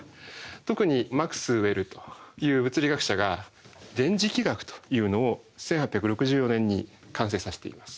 特にマクスウェルという物理学者が電磁気学というのを１８６４年に完成させています。